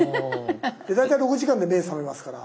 大体６時間で目覚めますから。